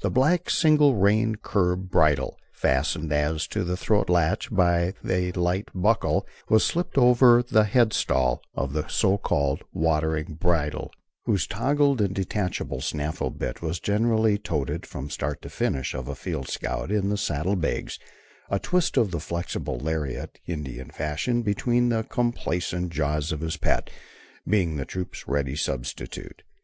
The black, single reined curb bridle, fastened as to the throat latch by a light buckle, was slipped on over the headstall of the so called watering bridle, whose toggled and detachable snaffle bit was generally "toted" from start to finish of a field scout in the saddle bags, a twist of the flexible lariat, Indian fashion, between the complaisant jaws of his pet, being the troop's ready substitute.